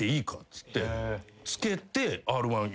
つってつけて。